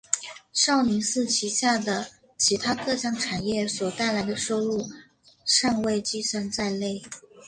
少林寺旗下的其它各项产业所带来的收入尚未计算在内。